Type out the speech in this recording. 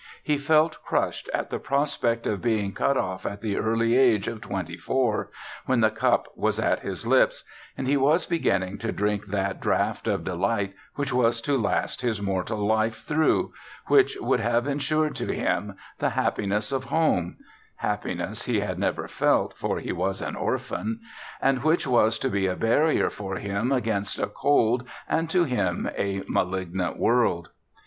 He felt crushed at the prospect of being cut off at the early age of twenty four, when the cup was at his lips, and he was beginning to drink that draught of delight which was to last his mortal life through, which would have insured to him the happiness of home, (happiness he had never felt, for he was an orphan,) and which was to be a barrier for him against a cold and (to him) a malignant world.